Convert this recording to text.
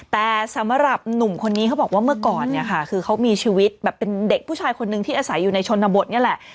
แต่สำหรับหนุ่มคนนี้เขาบอกว่าเมื่อก่อนเนี่ยค่ะคือเขามีชีวิตแบบเป็นเด็กผู้ชายคนนึงที่อาศัยอยู่ในชนบทนี่แหละ